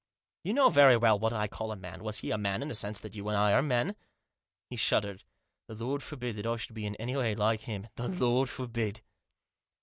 " You know very well what I call a man. Was he a man in the sense that you and I are men ?" He shuddered. " The Lord forbid that I should be in any way like him ; the Lord forbid